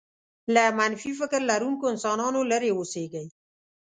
له منفي فکر لرونکو انسانانو لرې اوسېږئ.